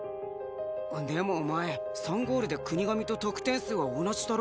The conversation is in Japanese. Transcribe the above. でもお前３ゴールで國神と得点数は同じだろ。